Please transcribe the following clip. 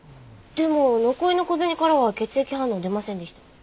でも残りの小銭からは血液反応出ませんでした。